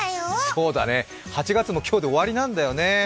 そうだね、８月も今日で終わりなんだよね